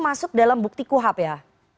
masuk dalam bukti kuhap ya